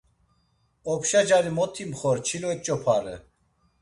Opşa cari mot imxor, çilo eç̌opare.